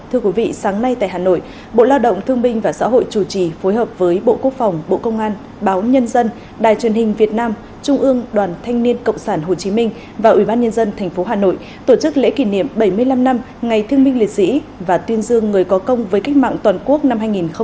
thưa quý vị sáng nay tại hà nội bộ lao động thương minh và xã hội chủ trì phối hợp với bộ quốc phòng bộ công an báo nhân dân đài truyền hình việt nam trung ương đoàn thanh niên cộng sản hồ chí minh và ủy ban nhân dân tp hà nội tổ chức lễ kỷ niệm bảy mươi năm năm ngày thương minh liệt sĩ và tuyên dương người có công với cách mạng toàn quốc năm hai nghìn hai mươi